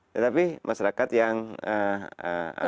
tetapi masyarakat yang ee